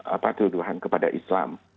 apa tuh dohan kepada islam